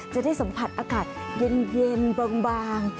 จะได้สัมผัสอากาศเย็นบาง